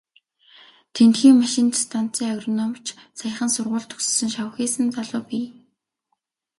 Тэндхийн машинт станцын агрономич, саяхан сургууль төгссөн шавхийсэн залуу бий.